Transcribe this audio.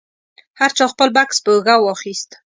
هر چا خپل بکس په اوږه واخیست.